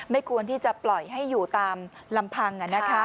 ควรที่จะปล่อยให้อยู่ตามลำพัง